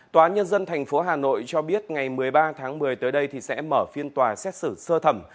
tòa nhân dân tp hà nội cho biết ngày một mươi ba tháng một mươi tới đây sẽ mở phiên tòa xét xử sơ thẩm